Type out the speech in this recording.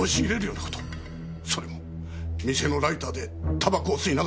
それも店のライターでタバコを吸いながら。